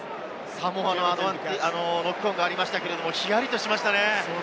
サモアのノックオンがありましたが、ヒヤリとしましたね。